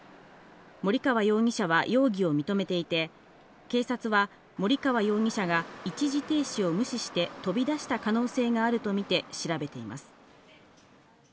森川容疑者は容疑を認めていて、警察は森川容疑者が一時停止を無視して飛び出した可能性があるとみて調べています。